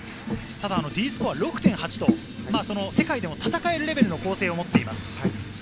Ｄスコア６．８と世界でも戦えるレベルの構成をもっています。